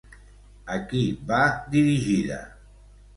A qui va dirigida?